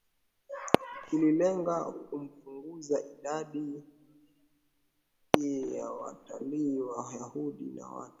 ililenga kupunguza idadi ya Waitalia Wayahudi na watu